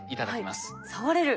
触れる？